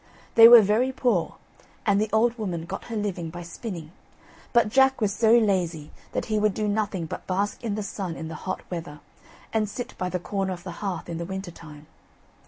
They were very poor, and the old woman got her living by spinning, but Jack was so lazy that he would do nothing but bask in the sun in the hot weather, and sit by the corner of the hearth in the winter time.